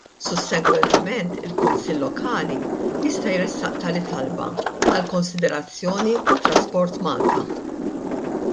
Sussegwentament il-kunsill lokali jista' jressaq tali talba għall-konsiderazzjoni ta' Transport Malta.